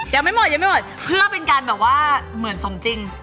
ยังไม่หมดเพื่อเป็นการเหมือนสมจริง